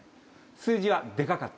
数字はデカかった？